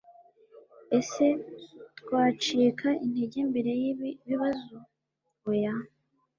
ese, twacika intege mbere y'ibi bibazo ? oya